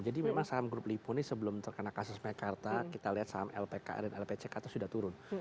jadi memang saham grup lipo ini sebelum terkena kasus mekarta kita lihat saham lpk dan lpck itu sudah turun